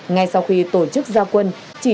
ngay sau khi tổ chức gia quân